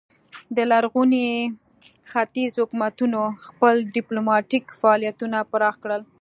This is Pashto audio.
د لرغوني ختیځ حکومتونو خپل ډیپلوماتیک فعالیتونه پراخ کړل